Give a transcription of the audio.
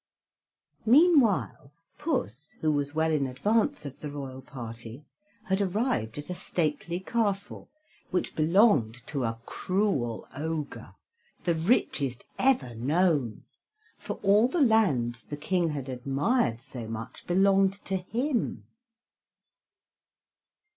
Meanwhile Puss, who was well in advance of the Royal party, had arrived at a stately castle, which belonged to a cruel Ogre, the richest ever known, for all the lands the King had admired so much belonged to him.